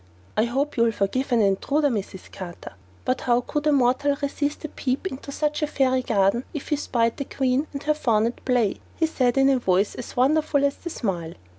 "I hope you'll forgive an intruder, Mrs. Carter, but how could a mortal resist a peep into such a fairy garden if he spied the queen and her faun at play?" he said in a voice as wonderful as the smile.